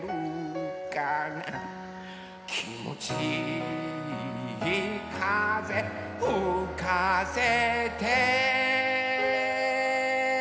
「きもちいいかぜふかせて」